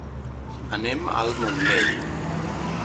Anem al Montmell.